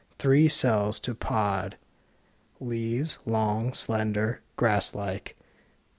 Three cells to pod. Leaves long, slender, grass like.